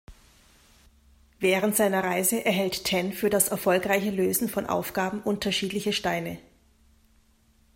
Während seiner Reise erhält Ten für das erfolgreiche Lösen von Aufgaben unterschiedliche Steine.